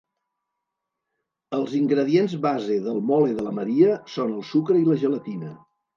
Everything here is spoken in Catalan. Els ingredients base del mole de la Maria són el sucre i la gelatina.